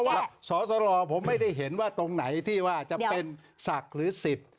เพราะว่าสอสรอผมไม่ได้เห็นว่าตรงไหนที่ว่าจะเป็นศักดิ์หรือศิษย์